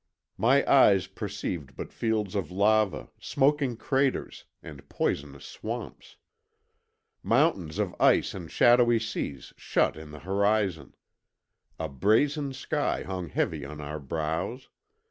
My eyes perceived but fields of lava, smoking craters, and poisonous swamps. "Mountains of ice and shadowy seas shut in the horizon. A brazen sky hung heavy on our brows.